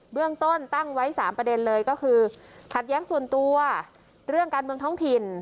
เรื่องต้นตั้งไว้๓ประเด็นเลยก็คือขัดแย้งส่วนตัวเรื่องการเมืองท้องถิ่น